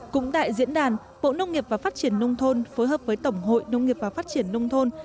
cũng tại diễn đàn bộ nông nghiệp và phát triển nông thôn phối hợp với tổng hội nông nghiệp và phát triển nông thôn